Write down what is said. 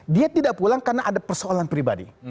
dia tidak pulang karena ada persoalan pribadi